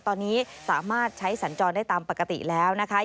ตอนนี้สามารถใช้สัญจรได้ตามปกติแล้วนะคะ